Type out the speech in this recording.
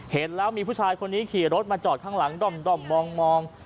เห็นแล้วมีผู้ชายคนนี้ขี่รถมาจอดข้างหลังด้อมมอง